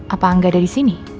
apa enggak ada di sini